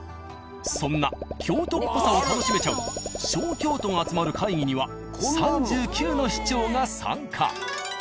そんな京都っぽさを楽しめちゃう小京都が集まる会議には３９の市町が参加。